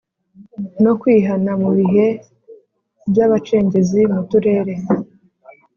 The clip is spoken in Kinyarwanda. no kwihana mu bihe by abacengezi mu turere